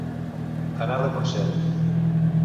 Anar de consell.